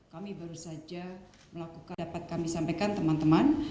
kami baru saja melakukan dapat kami sampaikan teman teman